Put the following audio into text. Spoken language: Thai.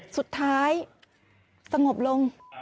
สุดท้ายสงบลง